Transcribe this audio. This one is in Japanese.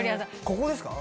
ここですか？